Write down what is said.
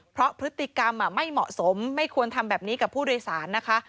เพราะพฤติกรรมไม่เหมาะสมไม่ควรทำแบบนี้กับผู้โดยสารนะคะ